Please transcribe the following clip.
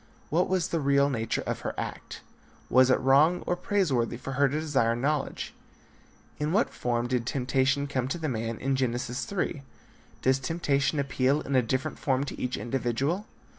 What was the real nature of her act? Was it wrong or praise worthy for her to desire knowledge? In what form did temptation come to the man in Genesis 3. Does temptation appeal in a different form to each individual?